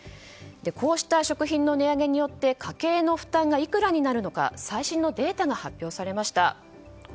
こうした食品の値上げによって家計の負担がいくらになるのか最新のデータが発表されました。